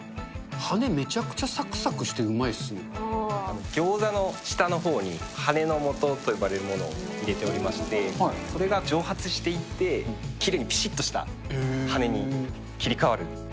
羽根、めちゃくちゃさくさくしてギョーザの下のほうに羽根のもとと呼ばれるものを入れておりまして、それが蒸発していって、きれいにぴしっとした羽根に切り替わる。